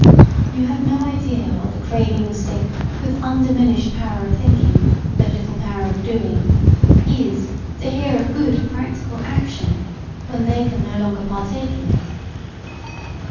You have no idea what the craving of sick with undiminished power of thinking, but little power of doing, is to hear of good practical action, when they can no longer partake in it.